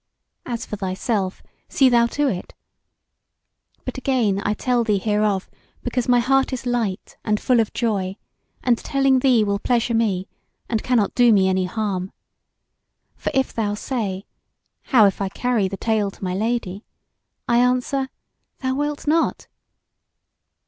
As for thyself, see thou to it! But again I tell thee hereof because my heart is light and full of joy, and telling thee will pleasure me, and cannot do me any harm. For if thou say: How if I carry the tale to my Lady? I answer, thou wilt not.